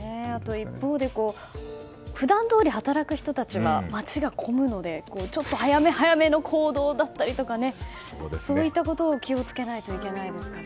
一方で普段どおり働く人たちは街が混むので、ちょっと早め早めの行動だったりとかそういったことを気をつけないといけないですかね。